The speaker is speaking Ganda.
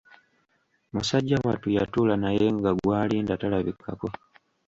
Musajja wattu yatuula naye nga gw'alinda talabikako!